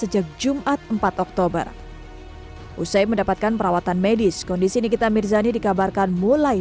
sejak jumat empat oktober usai mendapatkan perawatan medis kondisi nikita mirzani dikabarkan mulai